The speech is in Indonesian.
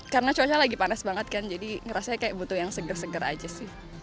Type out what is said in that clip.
karena cuacanya lagi panas banget kan jadi ngerasanya kayak butuh yang seger seger aja sih